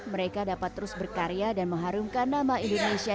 mereka dapat terus berkarya dan mengharumkan nama indonesia